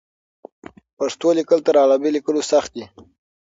پښتو لیکل تر عربي لیکلو سخت دي.